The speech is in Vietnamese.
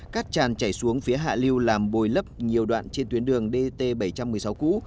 cát tràn chảy xuống phía hạ lưu làm bồi lấp nhiều đoạn trên tuyến đường dt bảy trăm một mươi sáu cũ